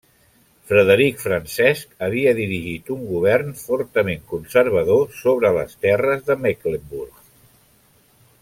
Frederic Francesc havia dirigit un govern fortament conservador sobre les terres de Mecklenburg.